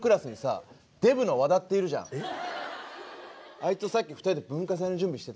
あいつとさっき２人で文化祭の準備してたの。